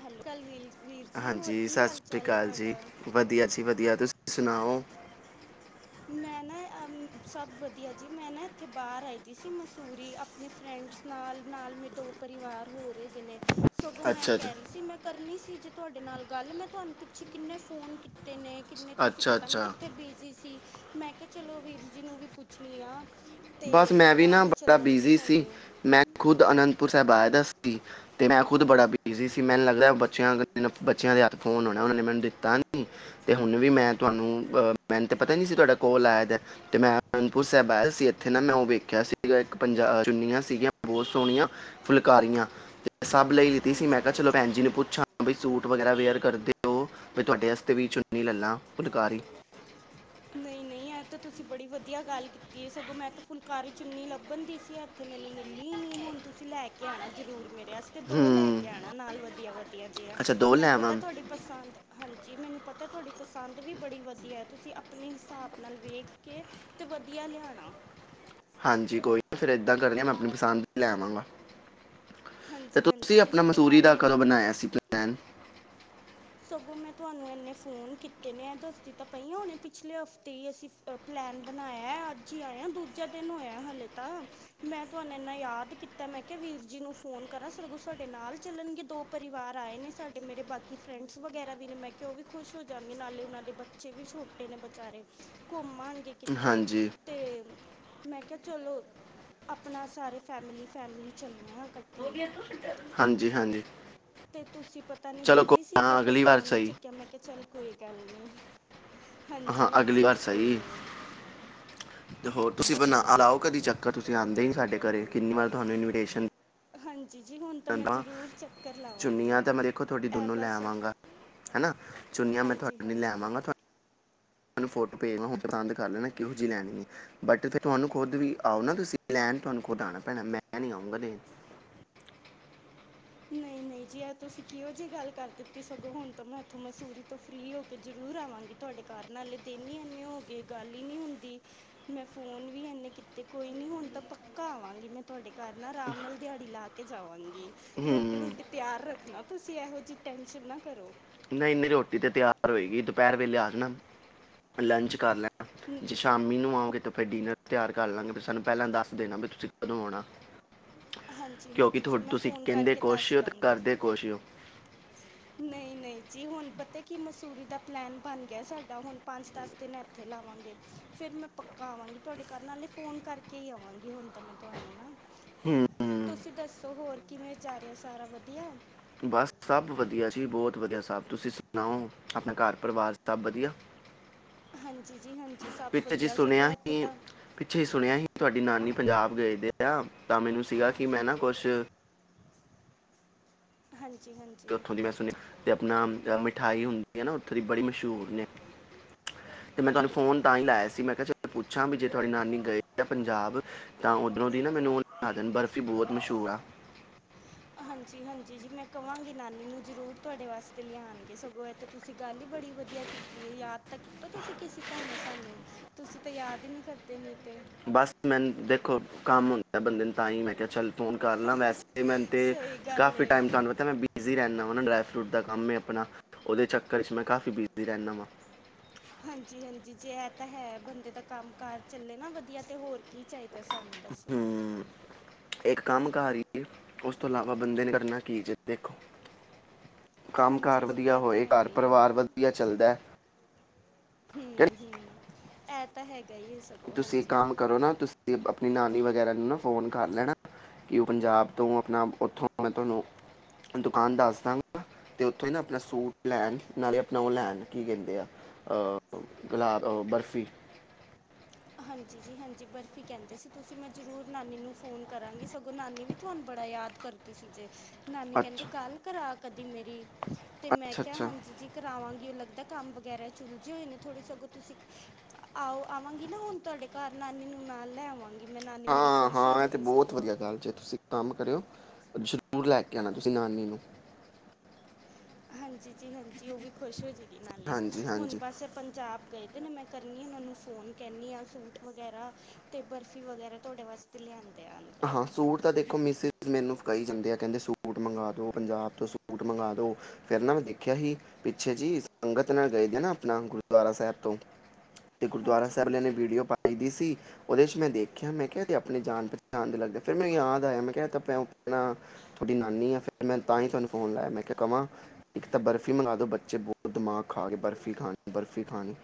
Hello ਸਤਿ ਸ਼੍ਰੀ ਅਕਾਲ ਵੀਰ ਵੀਰ ਜੀ ਹੋਰ ਹਾਂਜੀ ਕੀ ਸਤਿ ਹਾਲ ਸ੍ਰੀ ਚਾਲ ਹੈ ਅਕਾਲ ਜੀ ਤੁਹਾਡਾ ਵਧੀਆ ਜੀ ਵਧੀਆ ਤੁਸੀਂ ਸੁਣਾਓ ਮੈਂ ਨਾ ਸਭ ਵਧੀਆ ਜੀ ਮੈਂ ਨਾ ਇੱਥੇ ਬਾਹਰ ਆਈ ਦੀ ਸੀ ਮਸੂਰੀ ਆਪਣੇ ਫਰੈਂਡਸ ਨਾਲ ਨਾਲ ਮੇਰੇ ਦੋ ਪਰਿਵਾਰ ਹੋ ਰਹੇਗੇ ਨੇ ਸੋਕੋ ਮੈਂ ਅੱਛਾ ਅੱਛਾ ਕਹਿ ਰਹੀ ਸੀ ਮੈਂ ਕਰਨੀ ਸੀ ਤੁਹਾਡੇ ਨਾਲ ਗੱਲ ਮੈਂ ਤੁਹਾਨੂੰ ਪਿੱਛੇ ਕਿੰਨੇ ਫੋਨ ਅਤੇ ਨੇ ਕਿੰਨੇ ਤੁਸੀਂ ਅੱਛਾ ਪਤਾ ਨਹੀਂ ਅੱਛਾ ਕਿੱਥੇ ਬੀਜੀੀ ਸੀ ਮੈਂ ਕਿਹਾ ਚਲੋ ਵੀਰ ਜੀ ਨੂੰ ਵੀ ਪੁੱਛਣੀ ਆ ਤੇ ਬਸ ਮੈਂ ਵੀ ਨਾ ਨਾਲ ਬੜਾ ਚੱਲਣਗੇ ਬਿਜ਼ੀ ਸੀ ਸਾਡੇ ਮੈਂ ਖੁਦ ਅਨੰਦਪੁਰ ਸਾਹਿਬ ਆਏ ਦ ਤੇ ਮੈਂ ਖੁਦ ਬੜਾ ਬਿਜ਼ੀ ਸੀ ਮੈਨੂੰ ਲੱਗਦਾ ਬੱਚਿਆਂ ਬੱਚਿਆਂ ਦੇ ਹਥ ਫੋਨ ਹੋਣਾ ਉਹਨਾਂ ਨੇ ਮੈਨੂੰ ਦਿੱਤਾ ਨ ਤੇ ਹੁਣ ਵੀ ਮੈਂ ਤੁਹਾਨੂੰ ਅਹ ਮੈਨੂੰ ਤਾਂ ਪਤਾ ਨੀ ਸੀ ਤੁਹਾਡਾ ਕੋਲ ਆਇਆ ਤੇ ਮੈਂ ਅਨੰਦਪੁਰ ਸਾਹਿਬ ਆਇ ਸੀ ਇੱਥੇ ਨਾ ਮੈਂ ਉਹ ਵੇਖਿਆ ਸੀਗਾ ਇੱਕ ਪੰਜ ਚੁੰਨੀਆਂ ਸੀਗੀਆਂ ਬਹੁਤ ਸੋਹਣੀਆਂ ਫੁਲਕਾਰੀਆਂ ਸਭ ਲਈ ਲਿਤੀ ਸੀ ਮੈਂ ਹਾਂਜੀ ਕਿਹਾ ਚਲੋ ਭੈਣ ਹਾਂਜੀ ਜੀ ਨੂੰ ਪੁੱਛਾਂ ਬ ਸੂਟ ਵਗੈਰਾ ਵੇਅਰ ਕਰਦੇ ਹੋ ਮੈਂ ਤੁਹਾਡੇ ਵਾਸਤੇ ਵੀ ਚੁੰਨੀ ਲੈਾਂ ਫੁਲਕਾਰੀ ਨਹੀਂ ਨਹੀਂ ਇਹ ਤਾਂ ਤੁਸੀਂ ਬੜੀ ਵਧੀਆ ਗੱਲ ਕੀਤੀ ਹੈ ਸਗੋਂ ਮੈਂ ਤਾਂ ਫੁਲਕਾਰੀ ਚੁੰਨੀ ਲੱਭਣ ਦੀ ਸੀ ਇੱਥੇ ਮੈਨੂੰ ਮਿਲੀ ਨ ਹੁਣ ਤੁਸੀਂ ਲੈ ਕੇ ਆਉਣਾ ਜ਼ਰੂਰ ਮੇਰੇ ਵਸਤੇ ਦੋ ਲੈ ਹੂੰ ਕੇ ਆਉਣਾ ਨਾਲ ਵਧੀਆ ਵਧੀਆ ਜਿ ਆ ਅੱਛਾ ਦੋ ਲੈ ਮੈਨੂੰ ਆਵਾਂ ਪਤਾ ਤੁਹਾਡੀ ਪਸੰਦ ਹਾਂਜੀ ਮੈਨੂੰ ਪਤਾ ਤਾਂ ਤੁਹਾਡੀ ਪਸੰਦ ਵੀ ਬੜੀ ਵਧੀਆ ਹੈ ਤੁਸੀਂ ਆਪਣੇ ਹਿਸਾਬ ਨਾਲ ਵੇਖ ਕੇ ਅਤੇ ਵਧੀਆ ਲਿਆਉਣਾ ਹਾਂਜੀ ਕੋਈ ਨਹੀਂ ਫਿਰ ਏਦਾਂ ਕਰ ਲ ਮੈਂ ਆਪਣੀ ਪਸੰਦ ਲੈ ਆਵਾਂਗਾ ਤੇ ਹਾਂਜੀ ਹਾਂਜੀ ਤੁਸੀਂ ਜੀ ਆਪਣਾ ਸਗੋਂ ਮੈਂ ਮਸੂਰੀ ਦਾ ਇੰਨੇ ਕਦੋਂ ਬਣਾਇਆ ਸੀ ਪਨ ਸਗੋਂ ਮੈਂ ਤੁਹਾਨੂੰ ਇੰਨੇ ਫੋਨ ਕੀਤੇ ਨੇ ਦੱਸਦੀ ਤਾਂ ਪਈ ਹਾਂ ਹੁਣੇੇ ਪਿਛਲੇ ਹਫ਼ਤੇ ਹੀ ਅਸੀਂ ਪਲੈਨ ਬਣਾਇਆ ਅੱਜ ਹੀ ਆਏ ਹਾਂ ਦੂਜਾ ਦਿਨ ਹੋਇਆ ਹਾਲੇ ਤਾਂ ਮੈਂ ਤੁਹਾਨੂੰ ਇੰਨਾ ਯਾਦ ਕੀਤਾ ਮੈਂ ਕਿਹਾ ਵੀਰ ਜੀ ਨੂੰ ਫ਼ੋਨ ਕਰਾਂ ਸਗੋਂ ਸਾਡੇ ਨਾਲ ਚੱਲਣਗੇ ਦੋ ਪਰਿਵਾਰ ਆਏ ਨੇ ਸਾਡੇ ਮੇਰੇ ਬਾਕੀ ਫਰੈਂਡਸ ਵਗੈਰਾ ਵੀ ਨੇ ਮੈਂ ਕਿਹਾ ਉਹ ਵੀ ਖੁਸ਼ ਹੋ ਜਾਂਦੀ ਨਾਲੇ ਉਹ ਦੇ ਬੱਚੇ ਵੀ ਛੋਟੇ ਨੇ ਵਿਚਾਰੇ ਘੁੰਮ ਮਣਗੇ ਕਿੱਥੇ ਹਾਂਜੀ ਅਤੇ ਮੈਂ ਕਿਹਾ ਚਲੋ ਆਪਣਾ ਸਾਰੇ ਫੈਮਿਲੀ ਫੈਮਿਲੀ ਚੱਲੇ ਹਾਂ ਇਕੱਠੇ ਹਾਂਜੀ ਹਾਂਜੀ ਤੇ ਤੁਸੀਂ ਪਤਾ ਨੀ ਚਲੋ ਕੋਈ ਬਿਜੀੀ ਸੀਗੇ ਨਾ ਫੇਿਰ ਅਗਲੀ ਵਾਰ ਫੋਨ ਨੀ ਸਹੀ ਚੁੱਕਿਆ ਮੈਂ ਕਿਹਾ ਚੱਲ ਕੋਈ ਗੱਲ ਨੀ ਹਾਂ ਅਗਲੀ ਵਾਰ ਸਹੀ ਤੇ ਹੋਰ ਤੁਸੀਂ ਬਣਾ ਅਲਾਓ ਕਦੇ ਚੱਕਰ ਤੁਸੀਂ ਆਉਂਦੇ ਨਹੀਂ ਸਾਡੇ ਘਰੇ ਕਿੰਨੀ ਵਾਰ ਤੁਹਾਨੂੰ ਇਨਵੀਟੇਸ਼ਨ ਹਾਂਜੀ ਜੀ ਹੁਣ ਤਾਂ ਮੈਂ ਜ਼ਰੂਰ ਚੱਕਰ ਲਾਵਾਂਗੀ ਚੁੰਨੀਆਂ ਤਾਂ ਮੈਂ ਦੇਖੋ ਤੁਹਾਡੀ ਇਹ ਦੋਨੋਂ ਲੈ ਬਸ ਆਵਾਂਗਾ ਹੈ ਨਾ ਚੁੰਨੀਆਂ ਮੈਂ ਹਾਂਜੀ ਤੁਹਾਡੇ ਨਹੀਂ ਲੈ ਹਾਂਜੀ ਆਵਾਂਗਾ ਤੁ ਤੁਹਾਨੂੰ ਫੋਟੋ ਭੇਜ ਲ ਹੁਣ ਪਸੰਦ ਕਰ ਲੈਣਾ ਕਿਹੋ ਜਿਹੀ ਲੈਣੀ ਬਟ ਫਿਰ ਤੁਹਾਨੂੰ ਖੁਦ ਵੀ ਆਓ ਨਾ ਤੁਸੀਂ ਲੈਣ ਤੁਹਾਨੂੰ ਖੁਦ ਆਉਣਾ ਪੈਣਾ ਮੈਂ ਨਹੀਂ ਆਉਊਂਗਾ ਲੈਣ ਨਹੀਂ ਨਹੀਂ ਜੀ ਯਾਰ ਤੁਸੀਂ ਕਿਹੋ ਜਿਹੀ ਗੱਲ ਕਰ ਦਿੱਤੀ ਸਗੋਂ ਹੁਣ ਤਾਂ ਮੈਂ ਇੱਥੋਂ ਮਸੂਰੀ ਤੋਂ ਫ੍ਰੀ ਹੋ ਕੇ ਜ਼ਰੂਰ ਆਵਾਂਗੀ ਤੁਹਾਡੇ ਘਰ ਨਾਲੇ ਦਿਨ ਹੀ ਇਨੇ ਹੋ ਗਏ ਗੱਲ ਹੀ ਨਹੀਂੀ ਹੁੰਦੀ ਮੈਂ ਫੋਨ ਵੀ ਇਨੇ ਕੀਤੇ ਕੋਈ ਨੀ ਹੁਣ ਤਾਂ ਪੱਕਾ ਆਵਾਂਗੀ ਮੈਂ ਤੁਹਾਡੇ ਘਰ ਨਾਲ ਆਰਾਮ ਨਾਲ ਦਿਹਾੜੀ ਲਾ ਕੇ ਜਾਵਾਂਗੀ ਰੋਟੀ ਹੂੰ ਰੂਟੀ ਤਿਆਰ ਰੱਖਣਾ ਤੁਸੀਂ ਇਹੋ ਜਿਹੀ ਟੈਂਨਸ਼ਨ ਨਾ ਕਰੋ ਇੰਨੀ ਰੋਟੀ ਤੇ ਤਿਆਰ ਹੋਏਗੀ ਦੁਪਹਿਰ ਵੇਲੇ ਆ ਜਾਣਾ ਲੰਚ ਕਰ ਲੈਣਾ ਜੇ ਸ਼ਾਮ ਮੀਨੂ ਆਓਗੇ ਤੁ ਫਿਰ ਡਿਨਰ ਤਿਆਰ ਕਰ ਲਾਂਗੇ ਵੀ ਸਾਨੂੰ ਪਹਿਲਾਂ ਦੱਸ ਦੇਣਾ ਵੀ ਤੁਸੀਂ ਕਦੋਂ ਆਉਣਾ ਹਾਂਜੀ ਕਿਉਂਕਿ ਹਾਂਜੀ ਜੀ ਤੁਹਾਡੇ ਮੈਂ ਤੁਸੀਂ ਫੋਨ ਕਹਿੰਦੇ ਕਰਕੇ ਦੱਸ ਕੁਛ ਹੋ ਤੇ ਦਾਂਗੀ ਕਰਦੇ ਕੁਛ ਹੋ ਨਹੀਂ ਨਹੀਂ ਜੀ ਹੁਣ ਪਤਾ ਕੀ ਮਸੂਰੀ ਦਾ ਪਲੈਨ ਬਣ ਗਿਆ ਸਾਡਾ ਹੁਣ ਪੰਜ ਦਸ ਦਿਨ ਇੱਥੇ ਲਾਵਾਂਗੇ ਫਿਰ ਮੈਂ ਪੱਕਾ ਆਵਾਂਗੀ ਤੁਹਾਡੇ ਘਰ ਨਾਲੇ ਫ਼ੋਨ ਕਰਕੇ ਹੀ ਆਵਾਂਗੀ ਹੁਣ ਤਾਂ ਮੈਂ ਤੁਹਾਨੂੰ ਨਾ ਹਮ ਤੁਸੀਂ ਦੱਸੋ ਹੋਰ ਕਿਵੇਂ ਜਾ ਰਹੇ ਹੋ ਸਾਰਾ ਵਧੀਆ ਬਸ ਸਭ ਵਧੀਆ ਜੀ ਬਹੁਤ ਵਧੀਆ ਸਭ ਤੁਸੀਂ ਸੁਣਾਓ ਆਪਣਾ ਘਰ ਪਰਿਵਾਰ ਸਭ ਵਧੀਆ ਹਾਂਜੀ ਜੀ ਹਾਂਜੀ ਸਭ ਪਿਤ ਜੀ ਵਧੀਆ ਸਗੋਂ ਸੁਣਿਆ ਇੱਥੇ ਹੀ ਤਾਂ ਪਿੱਛੇ ਹੀ ਸੁਣਿਆ ਸੀ ਤੁਹਾਡੀ ਨਾਨੀ ਪੰਜਾਬ ਗਏ ਦੇ ਤਾਂ ਮੈਨੂੰ ਸੀਗਾ ਕਿ ਮੈਂ ਨਾ ਕੁਛ ਹਾਂਜੀ ਹਾਂਜੀ ਉੱਥੋਂ ਦੀ ਮੈਂ ਸੁਣਿਆ ਤੇ ਆਪਣਾ ਮਿਠਾਈ ਹੁੰਦੀ [unintelligible] ਓਥੋਂ ਦੀ ਬੜੀ ਮਸੂ਼ਰ ਨੇ, ਤੇ ਮੈਂ ਤੁਆਨੂੰ ਫ਼ੋਨ ਤਾਂ ਈ ਲਾਏਆ ਸੀ ਮੈਂ ਕੇਆ ਚ ਪੁੱਛਾਂ, ਵੀ ਜੇ ਤੁਆਡੀ ਨਾਨੀ ਗਏ ਦੇ ਆ ਪੰਜਾਬ, ਤਾਂ ਓਦਰੋਂ ਦੀ ਨਾ ਮੈਨੂੰ ਓ ਲੇਆ ਬਰਫ਼ੀ ਬਹੋਤ ਮਸੂ਼ਰ ਆ। ਹਾਂਜੀ, ਹਾਂਜੀ ਜੀ ਮੈਂ ਕਵਾਂਗੀ ਨਾਨੀ ਨੂੰ ਜਰੂਰ ਤੁਆਡੇ ਵਾਸਤੇ ਲਿਆਨਗੇ। ਸਗੋਂ ਏ ਤਾਂ ਤੁਸੀ ਗੱਲ ਈ ਬੜੀ ਵਦੀਆ ਕੀਤੀ ਏ। ਯਾਦ ਤਾ ਕੀਤਾ ਤੁਸੀ ਕਿਸੇ ਬਾਨੇ ਸਾਨੂੰ ਤੁਸੀ ਤੇ ਯਾਦ ਈ ਨਈ ਕਰਦੇ ਨਈ ਤੇ। ਬਸ ਮੈਨ ਦੇਖੋ ਕੰਮ ਹੁੰਦਾ ਏ ਬੰਦੇ ਨੂ ਤਾਂ ਈ ਮੈਂ ਕੇਆ ਚੱਲ ਫ਼ੋਨ ਕਰ ਲਾਂ ਵੈਸੇ ਤੇ ਮੈਨ ਤੇ, ਸਹੀ ਗੱਲ ਕਾਫੀ ਏ ਟਾਈਮ ਤਾਨੂੰ ਪਤਾ ਮੈਂ ਬਿਜ਼ੀ ਰੈਨਾ ਵਾਂ [unintelligible] [unintelligible] ਕੰਮ ਏ ਅਪਨਾ ਓਦੇ ਚੱਕਰ 'ਚ ਮੈਂ ਕਾਫੀ ਬਿਦੀ ਰੈਨਾਂ ਵਾਂ। ਹਾਂਜੀ, ਹਾਂਜੀ ਜੇ ਐ ਤਾਂ ਹੈ। ਬੰਦੇ ਦਾ ਕੰਮ ਕਾਰ ਚੱਲੇ ਨਾ ਵਦੀਆ, ਤੇ ਹੋਰ ਕੀ ਚਾਹੀਦਾ। ਤੇ ਸਾਨੂ ਦਸੋ ਏਕ ਕੰਮ ਕਾਰੀ ਏ, ਉਸ ਤੋਂ ਅਲਾਵਾ ਬੰਦੇ ਨੇ ਕਰਨਾ ਕੀ ਜੇ ਦੇਖੋ। ਕੰਮ ਹਾਂਜੀ ਕਾਰ ਜੀ ਵਦੀਆ ਇਹ ਤਾਂ ਹੋਏ, ਹੈਗਾ ਘਰ ਹੀ ਹੈ ਪਰਵਾਰ ਵਦੀਆ ਚੱਲਦਾ ਐ ਐ ਤਾਂ ਹੈਗ ਤੁਸੀ ਇੱਕ ਕੰਮ ਕਰੋ ਨਾ ਤੁਸੀ ਤ ਤੇ ਆਪਨੀ ਨਾਨੀ ਵਗੈਰਾ ਨੂੰ ਨਾ ਫ਼ੋਨ ਕਰ ਲੈਣਾ, ਕਿ ਓ ਪੰਜਾਬ ਤੋਂ ਅਪਨਾ ਓਥੋਂ, ਮੈਂ ਤੁਆਨੂੰ ਦੁਕਾਨ ਦੱਸ ਦਾਂਗਾ ਤੇ ਓਥੋਂ ਹੀ ਨਾ ਆਪਨਾ ਸੂਟ ਲੈਨ ਨਾਲੇ਼ ਆਪਨਾ ਓ ਲੈਨ ਕੀ ਕੈਂਦੇ ਆ ਅ ਗਲਾ ਬਰਫ਼ੀ। ਹਾਂਜੀ ਜੀ ਹਾਂਜੀ, ਬਰਫ਼ੀ ਕੈਂਦੇ ਸੀ ਤੁਸੀਂ ਮੈਂ ਜਰੂਰ ਨਾਨੀ ਨੂੰ ਫ਼ੋਨ ਕਰਾਂਗੀ। ਸਗੋ ਨਾਨੀ ਵੀ ਤੁਹਾਨ ਬੜਾ ਯਾਦ ਕਰਦੀ ਸੀ ਜੇ। ਨਾਨੀ ਕੈਂਦੀ ਅੱਛਾ ਗੱਲ ਕਰਾ ਕਦੀ ਮੇਰੀ, ਤੇ ਮੈਂ ਅੱਛਾ ਕੇਆ ਅੱਛਾ ਹਾਂਜੀ ਜੀ ਕਰਾਵਾਂਗੀ ਓ ਲੱਗਦਾ ਕੰਮ ਵਗੈਰਾ ਚ ਉਲਝੇ ਹੋਏ ਨੇ ਥੋੜੇ ਸਗੋਂ ਤੁਸੀਂ ਆਓ ਆਵਾਂਗੀ ਨਾ ਹੁਨ ਤੁਹਾਡੇ ਘਰ ਨਾਨੀ ਨੂੰ ਨਾਲ ਲੈ ਆਵਾਂਗੀ। ਨਾਨੀ ਮੇਰੀ ਹਾਂ, ਖੁਸ਼ ਹੋ ਹਾਂ ਐ ਤੇ ਜਾਏਗੀ ਬੋਤ ਸਗੋਂ ਵਦੀਆ ਗੱਲ ਜੇ। ਤੁਸੀ ਕੰਮ ਕਰੇਓ ਜ ਰੂਰ ਲੈ ਕੇ ਆਣਾ ਤੁਸੀ ਨਾਨੀ ਨੂੰ। ਹਾਂਜੀ ਜੀ ਹਾਂਜੀ ਓਅ ਵੀ ਖੁਸ਼ ਹੋ ਜੇ ਨਾਲੇ ਹਾਂਜੀ ਹੁਨ ਹਾਂਜੀ ਬਸ ਪੰਜਾਬ ਗਏ। ਓ ਨਾਲ ਮੈਂ ਕਰਨੀ ਆਂ ਓਨਾਂ ਨੂੰ ਫੋਨ ਕੈਨੀ ਆਂ ਸੂਟ ਵਗੈਰਾ, ਤੇ ਬਰਫ਼ੀ ਵਗੈਰਾ ਤੁਹਾਡੇ ਵਾਸਤੇ ਲੇ ਆਨ। ਹਾਂ ਸੂਟ ਤਾਂ ਦੇਖੋ [unintelligible] ਮੈਨੂੰ ਕਈ ਜਾਂਦੇ ਆ, ਕੈਂਦੇ ਸੂਟ ਮੰਗਾ ਦੋ ਪੰਜਾਬ ਤੋ ਸੂਟ ਮੰਗਾ ਦੋ। ਫੇਰ ਨਾ ਮੈਂ ਦੇਖੇਆ ਹੀ, ਪਿੱਛੇ ਜੀ ਸੰਗਤ ਨਾਲ ਗਏ ਦੇ ਆ ਨਾ ਆਪਨਾ ਗੁਰਦੁਆਰਾ ਸਾਏਬ ਤੋਂ ਤੇ ਗੁਰਦੁਆਰਾ ਹਾਂਜੀ ਸਾਏਬ ਆਲੇ ਨੇ ਹਾਂਜੀ ਵੀੜੀਓ ਪਾਈ ਦੀ ਸੀ ਓਦੇ ਚ ਮੈਂ ਦੇਖੇਆ ਮੈਂ ਕੇਆ ਏਦੇ ਅਪਨੇ ਜਾਨ [unintelligible] ਫਿਰ ਮੈਂ ਯਾਦ ਆਯਾ, ਮੈਂ ਕੇਆ ਏ ਤ ਤਾਂ ਪੇ ਓ ਅਪਨਾ ਥੋਡੀ ਨਾਨੀ ਆ ਫਿਰ ਤਾ ਈ ਤੁਹਾਨੂੰ ਫੋਨ ਲਾਯਾ। ਮੈਂ ਕੇਆ ਕਵਾਂ ਇੱਕ ਤਾਂ ਬਰਫ਼ੀ ਮੰਗਵਾ ਦੋ, ਬੱਚੇ ਬੋਤ ਦਮਾਗ ਖਾ ਗੇ ਬਰਫ਼ੀ ਖਾਨੀ ਬਰਫ਼ੀ ਖਾਨੀ।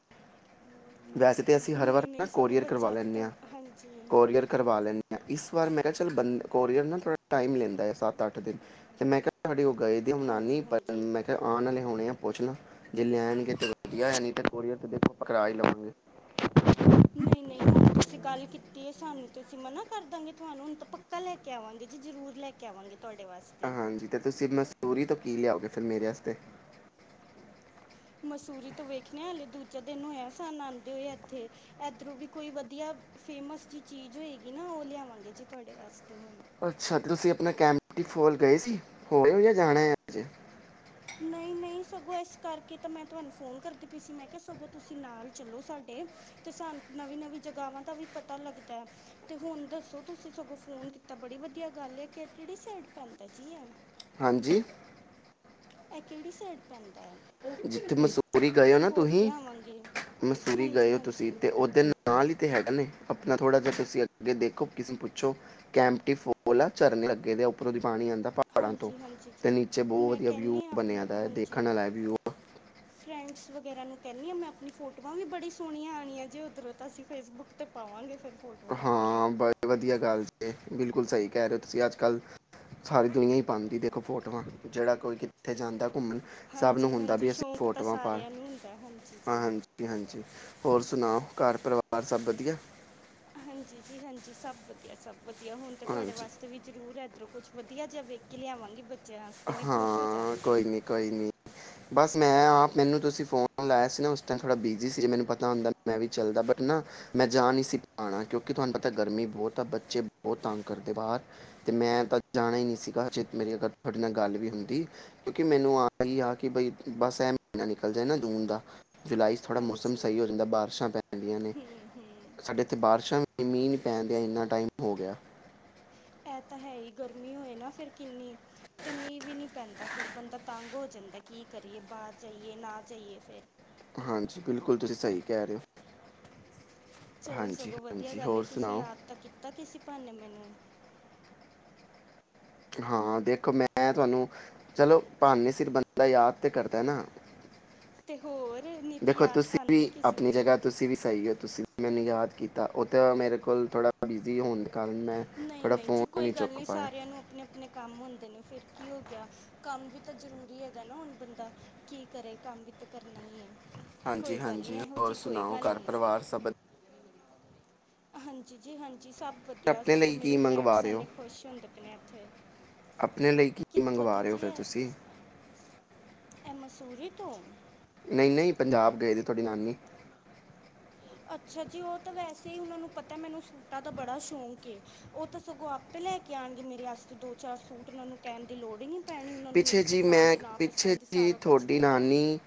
ਵੈਸੇ ਤੇ ਅਸੀ ਹਰ ਵਾਰ ਨਹੀਂ ਅ ਨਾ ਨਹੀਂ ਸਗੋਂ ਕੋਰੀਅਰ ਕਰਵਾ ਬੱਚਿਆਂ ਦੀ ਲੈਂਨੇ ਤਾਂ ਆਂ ਹਾਂਜੀ ਕੋਰੀਅਰ ਕਰਵਾ ਲੈਂਦੇ ਇਸ ਵਾਰ ਮੈਂ ਕੇਆ ਚਲ ਬੰ, ਕੋਰੀਅਰ ਨਾ ਥੋੜਾ ਟਾਈਮ ਲੇਂਦਾ ਏ ਸੱਤ ਅੱਠ ਦਿਨ ਤੇ ਮੈਂ ਕੇਆ ਤੁਆਡੀ ਓ ਗਏ ਦੀ ਹ ਮ ਨਾਨੀ ਹਾਂਜੀ ਬਟ ਹਾਂਜੀ ਮੈਂ ਕੇਆ ਆਣ ਵਾਲੇ ਹੋਣੇ ਆ ਪੁੱਛਲਾਂ। ਜੇ ਲੈਨਗੇ ਤੇ ਵਦੀਆ ਯਾ ਨਹੀਂ ਤੇ ਕੋਰੀਅਰ [unintelligible] ਨਹੀਂ, ਨਹੀਂ ਹੁਣ ਤੁਸੀ ਗੱਲ ਕੀਤੀ ਏ ਸਾਨੂੰ ਤੇ ਅਸੀਂ ਮਨਾ ਕਰਦਾਂਗੇ ਤੂਹਾਨੂੰ, ਹੁਣ ਤਾਂ ਪੱਕਾ ਲੈ ਕੇ ਆਵਾਂਗੇ ਜੇ ਜਰੂਰ ਲੈ ਕੇ ਆਵਾਂਗੇ। ਤੁਹਾਡੇ ਵਾਸਤੇ ਹਾਂਜੀ ਤੇ [unintelligible] ਤੋਂ ਕੀ ਲੇਆਓਗੇ ਫਿਰ ਮੇਰੇ ਵਸਤੇ? ਮਸੂਰੀ ਤੋਂ ਵੇਖਨੇ ਆ, ਹਾਲੇ ਦੂਜਾ ਦਿਨ ਹੋਏਆ ਸਾਨ ਆਂਦੇ ਹੋਏ ਏਥੇ। ਐਦਰੋ ਦੀ ਵੀ ਕੋਈ ਵਦੀਆ ਫੇਮਸ ਜਿ ਚੀਜ ਹੋਏਗੀ ਨਾ, ਓ ਲਿਆਵਾਂਗੇ ਜੀ ਤੁਹਾੜੇ ਵਾਸਤੇ ਹੁਨ। ਅੱਛਾ, ਤੁਸੀ ਅਪਨਾ [unintelligible] ਗਏ ਸੀ ਹੋ ਆਏ ਓ ਯਾ ਜਾਣੈ ਹ ਨਹੀਂ, ਨਹੀਂ ਸਗੋਂ ਏਸ ਕਰਕੇ ਤਾਂ ਮੈਂ ਤੁਹਾਨੂੰ ਫੋਨ ਕਰਦੀ ਪਈ ਸੀ। ਮੈਂ ਕੇਆ ਸਗੋਂ ਤੁਸੀਂ ਨਾਲ ਚਲੋ ਸਾਡੇ, ਤੇ ਸਾ ਨਵੀਂ, ਨਵੀਂ ਜਗਾਵਾਂ ਦਾ ਵੀ ਪਤਾ ਲੱਗਦੈ, ਤੇ ਹੁਨ ਦੱਸੋ ਤੁਸੀਂ ਸਗੋਂ ਫੋਨ ਕੀਤਾ ਬੜੀ ਵਧੀਆ ਗੱਲ ਏ। ਕਿਹੜੀ ਸਾਈਡ ਪੈਂਦਾ ਜੀ ਐ? ਹਾਂਜੀ? ਐ ਕੇ ੜੀ ਸਾਈੜ ਪੈਂਦਾ ਐ? ਜਿੱਥੇ ਮਸੂਰੀ ਗਏ ਹੋ ਨਾ ਤੁਹੀ ਆਵਾਂਗੇ ਮਸੂਰੀ ਗਏ ਹਾਂਜੀ ਹੋ ਤੁਸੀਂ ਹਾਂਜੀ ਤੇ, ਓਦੇ ਨਾਲ ਹੀ ਤੇ ਹੈਗਾ ਨੇ। ਆਪਣਾ ਥੋੜਾ ਜਿਹਾ ਤੁਸੀਂ ਅੱਗੇ ਦੇਖੋ, ਕਿਸੇ ਨੂੰ ਪੁੱਛੋ ਕੈਂਮਟੀ ਫੋਲ ਆ, ਝਰਨੇ ਲੱਗੇ ਦੇ ਉੱਪਰੋਂ ਪਾਣੀ ਆਉਂਦਾ ਪਹਾੜਾਂ ਤੋਂ, ਹਾਂਜੀ ਹਾਂਜੀ ਤੇ ਜੀ ਨੀਚੇ ਬਹੁਤ ਮੈਂ ਵਧੀਆ ਵਿਊ ਕਹਿੰਦੀ ਹਾਂ ਆਪਣੇ ਬਣਿਆਦਾ ਹੈ, ਦੇਖਣ ਹਾਂਜੀ ਵਾਲਾ ਵਿਊ। ਫਰੈਂਡਸ ਵਗੈਰਾ ਨੂੰ ਕਹਿੰਦੀ ਆ, ਮੈਂ ਆਪਣੀ ਫੋਟੋਆਂ ਵੀ ਬੜੀ ਸੋਹਣੀਆਂ ਆਣੀਆਂ ਜੇ, ਉਧਰੋਂ ਤਾਂ ਅਸੀ ਫੇਸਬੁੱਕ ਤੇ ਪਾਵਾਂਗੇ ਫਿਰ। ਫੋਟੋਆਂ ਆਪਣੀਆਂ ਹਾਂ, ਬਡ ਵਧੀਆ ਗੱਲ ਜੇ। ਬਿਲਕੁਲ। ਸਹੀ ਕਹਿ ਰਹੇ ਹੋ ਤੁਸੀਂ। ਅੱਜ ਕੱਲ੍ਹ ਸਾਰੀ ਦੁਨੀਆ ਹੀ ਪਾਉਂਦੀ ਦੇਖੋ ਫੋਟੋਆਂ, ਜਿਹੜਾ ਕੋਈ ਕਿੱਥੇ ਜਾਂਦਾ। ਘੁੰਮਣਾ ਸਭ ਨੂੰ ਹਾਂਜੀ ਹੁੰਦਾ ਹਾਂਜੀ ਵੀ, ਅਸੀਂ ਸ਼ੌਂਕ ਤਾਂ ਫੋਟੋਆਂ ਪਾ ਸਾਰਿਆਂ ਲਈਏ। ਨੂੰ ਹੁੰਦਾ ਹਾਂਜੀ ਹਾਂ, ਜੀ ਹਾਂਜੀ! ਹਾਂਜੀ। ਹੋਰ ਸੁਣਾਓ? ਘਰ, ਪਰਿਵਾਰ ਸਭ ਵਧੀਆ। ਹਾਂਜੀ, ਜੀ। ਹਾਂਜੀ। ਸਭ ਵਧੀਆ ਸਭ। ਵਧੀਆ ਹੋਣ ਤਾਂ, ਤੁਹਾਡੇ ਹਾਂਜੀ ਵਾਸਤੇ ਵੀ ਜ਼ਰੂਰ ਇਧਰੋਂ। ਕੁਛ ਵਧੀਆ, ਜਿਹਾ ਵੇਖ ਕੇ ਲਿਆਵਾਂਗੇ। ਹਾਂ। ਕੋਈ ਨੀ ਕੋਈ ਨੀ। ਬਸ ਮੈਂ- ਮੈਂ ਆਪ। ਮੈਨੂੰ ਤੁਸੀਂ ਫੋਨ ਲਾਇਆ ਸੀ ਨਾ, ਉਸ ਟਾਈਮ ਥੋੜਾ ਬਿਜੀ ਸੀ, ਜੇ ਮੈਨੂੰ ਪਤਾ ਹੁੰਦਾ, ਮੈਂ ਵੀ ਚੱਲਦਾ ਬਟ ਨਾ ਮੈਂ ਜਾ ਨਹੀਂ ਸੀ ਪਾਣਾ, ਕਿਉਂਕਿ ਤੁਹਾਨੂੰ ਪਤਾ ਗਰਮੀ ਬਹੁਤ ਆ। ਬੱਚੇ ਬਹੁਤ ਤੰਗ ਕਰਦੇ ਬਾਹਰ ਤੇ, ਮੈਂ ਤਾਂ ਜਾਣਾ ਹੀ ਨਹੀਂ ਸੀ, ਬਟ ਮੇਰੀ ਅ ਤੁਹਾਡੇ ਨਾਲ ਗੱਲ ਵੀ ਹੁੰਦੀ, ਕਿਉਂਕਿ ਮੈਨੂੰ ਆ ਹੀ, ਆ ਕਿ, ਬਈ ਬਸ ਇਹ ਮਹੀਨਾ ਨਿਕਲ ਜਾਏ ਨਾ ਜੂਨ ਦਾ। ਜੁਲਾਈ 'ਚ ਥੋੜ੍ਹਾ ਮੌਸਮ ਹਾਂਜੀ ਸਹੀ ਹੋ ਜਾਂਦਾ ਬਾਰਿਸ਼ਾਂ ਪੈ ਜਾਂਦੀਆਂ ਨੇ। ਹੂੰ ਹੂੰ ਸਾਡੇ ਇੱਥੇ ਬਾਰਿਸ਼ਾਂ ਮੀਹ ਨੀ ਪੈਂਦਿਆ ਇੰਨਾ ਟਾਈਮ ਹੋ ਗਿਆ। ਇਹ ਤਾਂ ਹੈ ਹੀ। ਗਰਮੀ ਹੋਏ ਨਾ ਫਿਰ ਕਿੰਨੀ ਤੇ ਮੀਂਹ ਵੀ ਨਹੀਂ ਪੈਂਦਾ, ਫਿਰ ਬੰਦਾ ਤੰਗ ਹੋ ਜਾਂਦਾ ਕੀ ਕਰੀਏ, ਬਾਹਰ ਜਾਈਏ ਨਾ ਜਾਈਏ ਫਿਰ। ਹਾਂਜੀ। ਬਿਲਕੁਲ ਤੁਸੀਂ ਸਹੀ ਕਹਿ ਰਹੇ ਹੋ। ਚਲੋ, ਹਾਂਜੀ ਸਗੋਂ ਵਧੀਆ ਹਾਂਜੀ ਗੱਲ ਏ। ਹੋਰ ਤੁਸੀਂ ਸੁਣਾਓ ਯਾਦ ਤਾਂ ਕੀਤਾ ਕਿਸੇ ਬਹਾਨੇ। ਮੈਨੂੰ ਹਾਂ ਦੇਖੋ, ਮੈਂ ਤੁਹਾਨੂੰ ਚਲੋ ਬਹਾਨੇ ਸਿਰ ਬੰਦਾ ਯਾਦ ਤੇ ਕਰਦਾ ਨਾ। ਤੇ ਹੋਰ। ਨਹੀਂ ਤੇ ਦੇਖੋ, ਯਾਦ ਤੁਸੀਂ ਤਾਂ ਆਉਂਦੀ ਵੀ ਕਿਸੇ ਆਪਣੀ ਦਿਨ ਜਗ੍ਹਾ ਤੁਸੀਂ ਵੀ ਸਹੀ ਹੋ। ਤੁਸੀਂ ਵੀ ਮੈਨੂੰ ਯਾਦ ਕੀਤਾ। ਤਾਂ, ਉਹ ਤਾਂ ਮੇਰੇ ਕੋਲ ਥੋੜ੍ਹਾ ਬਿਜ਼ੀ ਹੋਣ ਦੇ। ਕਾਰਨ ਮੈਂ ਨਹੀਂ, ਥੋੜਾ ਨਹੀਂ ਫੋਨ ਜੀ। ਕੋਈ ਗੱਲ ਚੁੱਕ ਨਹੀਂ ਪਾਇਆ ਸਾਰਿਆਂ ਨੂੰ ਆਪਣੇ- ਆਪਣੇ ਕੰਮ ਹੁੰਦੇ। ਨੇ ਫਿਰ ਕੀ ਹੋ ਗਿਆ। ਕੰਮ ਵੀ ਤਾਂ ਜ਼ਰੂਰੀ ਹੈਗਾ ਨਾ, ਹੁਣ ਬੰਦਾ ਕੀ ਕਰੇ ਕੰਮ ਵੀ ਤਾਂ ਕਰਨਾ ਹੀ ਹੈ। ਹਾਂਜੀ, ਕੋਈ ਗੱਲ ਹਾਂਜੀ। ਨਹੀਂ ਇਹੋ ਹੋਰ ਜਿਹੀ ਕੋਈ ਸੁਣਾਓ? ਗੱਲ ਘਰ- ਨਹੀਂ ਪਰਿਵਾਰ ਸਭ ਹਾਂਜੀ ਜੀ। ਹਾਂਜੀ। ਜੀ ਸਭ ਵਧੀਆ। ਆਪਣੇ ਸਗੋਂ ਲਈ ਮੇਰੇ ਕੀ ਮੰਗਵਾ ਫਰੈਂਡਸ ਰਹੇ ਇੰਨੇ ਹੋ ਖੁਸ਼ ਹੁੰਦੇ ਆਪਨੇ ਵਾਸਤੇ। ਆਪਣੇ ਲਈ ਕੀ ਮੰਗਵਾ ਰਹੇ ਹ? ਫਿਰ ਇਹ ਤੁਸੀਂ। ਇਹ ਮਸੂਰੀ ਤੋਂ। ਨਹੀਂ, ਨਹੀਂ ਪੰਜਾਬ ਗਏ ਸੀ। ਤੁਹਾਡੀ ਨਾਨੀ। ਅੱਛਾ ਜੀ। ਉਹ ਤਾਂ ਵੈਸੇ ਹੀ। ਉਹਨਾਂ ਨੂੰ ਪਤਾ ਮੈਨੂੰ ਸੂਟਾਂ ਦਾ ਬੜਾ ਸ਼ੌਂਕ ਏ, ਉਹ ਤਾਂ ਸਗੋਂ ਆਪੇ ਲੈ ਕੇ ਆਉਣਗੇ ਮੇਰੇ ਵਾਸਤੇ ਦੋ, ਚਾਰ ਸੂਟ, ਉਹਨਾਂ ਨੂੰ ਕਹਿਣ ਦੀ ਲੋੜ ਹੀ ਨਹੀਂ। ਪੈਣੀ ਉਹਨਾਂ ਨੂੰ ਮੇਰੀ ਪਿੱਛੇ, ਜੇ, ਮੈਂ ਪਸੰਦ ਨਾ ਪਿੱਛੇ ਪਸੰਦ ਜਿਹੇ ਸਾਰਾ ਕੁਝ ਤੁਹਾਡੀ ਪਤਾ ਹੈ ਨਾਨੀ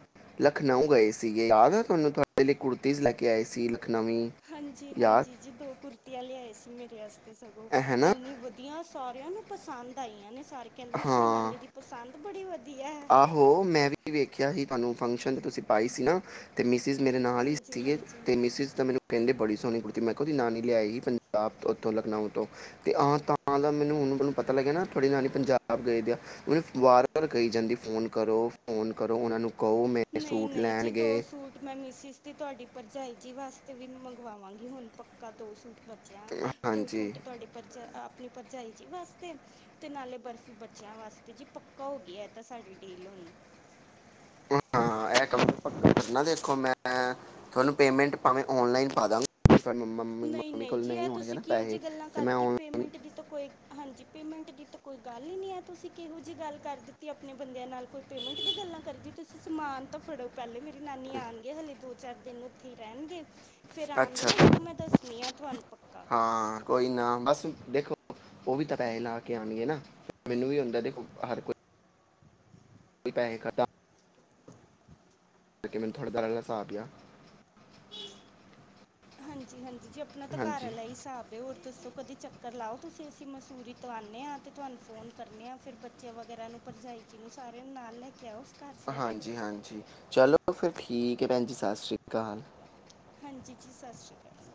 ਲਖਨਊ ਗਏ ਸੀ। ਯਾਦ ਤੁਹਾਨੂੰ ਤੁਹਾਡੇ ਲਈ ਕੁੜਤੀਜ਼ ਲੈ ਕੇ ਆਏ ਸੀ। ਲਖਨਵੀ ਹਾਂਜੀ। ਯਾਦ ਹਾਂਜੀ ਜੀ। ਦੋ ਕੁੁਰਤੀਆਂ ਲਿਆਏ ਸੀ। ਮੇਰੇ ਵਾਸਤੇ। ਸਗੋਂ ਐ ਹੈ ਨਾ ਇੰਨੀ ਵਧੀਆ ਸੀ। ਸਾਰਿਆਂ ਨੂੰ ਪਸੰਦ ਆਈਆਂ ਨੇ। ਸ ਸਾਰੇ ਕਹਿੰਦੇ ਨੇ, ਤੁਹਾਡੀ ਹਾਂ ਨਾਨੀ ਦੀ ਪਸੰਦ ਬੜੀ ਵਧੀਆ। ਹੈ ਆਹੋ ਮੈਂ, ਵੀ ਵੇਖਿਆ ਸੀ ਤੁਹਾਨੂੰ। ਫੰਕਸ਼ਨ ਤੇ ਤੁਸੀਂ ਪਾਈ ਸੀ ਨਾ ਤੇ, ਮਿਸਿਜ ਮੇਰੇ ਨਾਲ ਹੀ ਹਾਂਜੀ ਸੀਗੇ ਹਾਂਜੀ ਤੇ ਮਿਸੇਜ਼ ਤਾਂ ਮੇਰੇ ਮੈਨੂੰ ਕਹਿੰਦੇ ਬੜੀ ਸੋਹਣੀ ਕੁੜਤੀ, ਮੈਂ ਕਿਹਾ ਜੀ, ਉਹਦੀ ਨਾਨੀ ਲਿਆਈ ਪੰਜਾਬ ਉੱਥੋਂ ਲਖਨਊ ਤੋਂ, ਤੇ ਆਹ ਤਾਂ ਮੈਨੂੰ ਹੁਣ ਮੈਨੂੰ ਪਤਾ ਲੱਗਿਆ ਨਾ ਤੁਹਾਡੀ ਨਾਨੀ ਪੰਜਾਬ ਗਏ ਦੀ ਆ, ਉਹਨੂੰ ਵਾਰ ਵਾਰ ਕਹੀ ਜਾਂਦੀ। ਫੋਨ ਕਰੋ, ਫੋਨ ਕਰੋ, ਉਹਨਾਂ ਨੂੰ। ਕਹੋ ਮੇਰੇ ਨਹੀਂ ਸੂਟ ਨਹੀਂ ਜੀ, ਦੋ ਲੈਣਗੇ ਸੂਟ ਮੈਂ ਮਿਸਿਸ ਦੀ, ਤੁਹਾਡੀ ਭਰਜਾਈ ਜੀ ਵਾਸ ਅਤੇ ਵੀ ਮੰਗਵਾਵਾਂਗੀ ਹੁਣ ਪੱਕਾ ਦੋ ਸੂਟ। ਬੱਚਿਆਂ ਦੋ ਹਾਂਜੀ ਸੂਟ ਤੁਹਾਡੇ ਭਰਜਾਈ ਆ ਆਪਣੀ ਭਰਜ ਚਾਈਂ ਜੀ ਵਾਸਤੇ, ਤੇ ਨਾਲੇ ਬਰਫ਼ੀ ਬੱਚਿਆਂ ਵਾਸਤੇ, ਜੀ ਪੱਕਾ ਹੋ ਗਿਆ ਇਹ ਤਾਂ ਸਾਡੀ ਡੀਲ ਹੁਣ। ਹਾਂ, ਇਹ ਕੰਮ ਪੱਕਾ ਕਰਨਾ, ਦੇਖੋ ਮੈਂ ਤੁਹਾਨੂੰ ਪੇਮੇਂਟ ਭਾਵੇਂ, ਔਨਲਾਈਨ ਪਾ ਦਾਂ। ਨਹੀਂ, ਨਹੀਂ, ਜੀ ਇਹ ਤੁਸੀਂ ਕਿਹੋ ਪੈਸੇ ਜਿਹੀ ਗੱਲਾਂ ਤੇ ਮੈਂ ਕਰਤੀ, ਆਨਲਾਈਨ ਪੇਮੈਂਟ ਦੀ ਤਾਂ ਕੋਈ ਹਾਂਜੀ। ਪੇਮੈਂਟ ਦੀ ਤਾਂ ਕੋਈ ਗੱਲ ਹੀ ਨਹੀਂ ਹੈ, ਤੁਸੀਂ ਕਿਹੋ ਜਿਹੀ ਗੱਲ ਕਰ ਦਿੱਤੀ ਆਪਣੇ ਬੰਦਿਆਂ ਨਾਲ ਕੋਈ ਪੇਮੈਂਟ ਦੀ ਗੱਲਾਂ ਕਰੀ, ਤੁਸੀਂ ਸਮਾਨ ਤਾਂ ਫੜੋ ਪਹਿਲੇ ਮੇਰੇ ਨਾਨੀ ਆਣ ਗਏ ਹੱਲੇ ਦੋ ਚਾਰ ਦਿਨ ਉੱਥੇ ਹੀ ਰਹਿਣਗੇ। ਫ਼ਿਰ ਆਉਣਗੇ ਅੱਛਾ ਨਾ ਜਦੋਂ ਮੈਂ। ਦੱਸਣੀ ਆ ਤੁਹਾਨੂੰ ਪੱਕਾ ਹਾਂ, ਕੋਈ ਨਾ। ਬਸ ਦੇਖੋ ਉਹ ਵੀ ਤਾਂ, ਪੈਸੇ ਲਾ ਕੇ ਆਉਣਗੇ ਨਾ, ਮੈਨੂੰ ਵੀ ਹੁੰਦਾ, ਦੇਖੋ ਹਰ ਕੋਈ ਕੋਈ ਪੈਸੇ, ਖ਼ਤ ਕਰਕੇ ਮੈਨੂੰ ਥੋੜ੍ਹਾ ਦ ਰਹਿਲਾ ਸਾ ਪਿਆ ਹਾਂਜੀ, ਹਾਂਜੀ। ਜੀ -ਜੀ ਆਪਣਾ ਤਾਂ ਘਰ ਆਲਾ ਹੀ ਹਿਸਾਬ ਏ, ਹੋਰ ਦੱਸੋ ਕਦੇ ਚੱਕਰ ਲਾਓ ਤੁਸੀਂ ਅਸੀਂ ਮਸੂਰੀ ਤੋਂ ਆਣੇ ਹਾਂ ਅਤੇ ਤੁਹਾਨੂੰ ਫੋਨ ਕਰਨੇ ਹਾਂ, ਫਿਰ ਬੱਚੇ ਵਗੈਰਾ ਨੂੰ, ਭਰਜਾਈ ਜੀ ਨੂੰ, ਸਾਰਿਆਂ ਨੂੰ ਨਾਲ ਲੈ ਕੇ ਆਓ ਉਸ ਘਰ ਸਾਡੇ ਹਾਂਜੀ -ਹਾਂਜੀ ਚਲੋ। ਅੱਛਾ ਠੀਕ ਹੈ। ਭੈਣ ਜੀ। ਸਤਿ ਸ਼੍ਰੀ ਅਕਾਲ। ਹਾਂਜੀ, ਜੀ, ਜੀ, ਸਤਿ ਸ਼੍ਰੀ ਅਕਾਲ।